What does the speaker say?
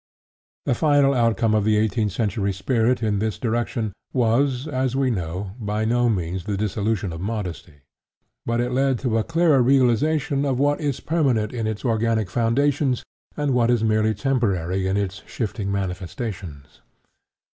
The final outcome of the eighteenth century spirit in this direction was, as we know, by no means the dissolution of modesty. But it led to a clearer realization of what is permanent in its organic foundations and what is merely temporary in its shifting manifestations.